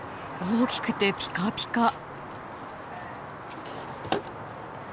大きくてピカピカ。